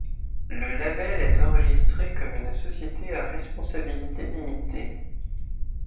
Le label est enregistré comme une société à responsabilité limitée.